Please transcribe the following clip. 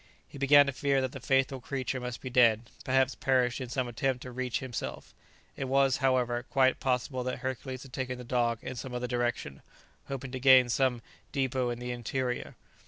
He began to fear that the faithful creature must be dead, perhaps perished in some attempt to reach himself; it was, however, quite possible that Hercules had taken the dog in some other direction, hoping to gain somedépôt in the interior.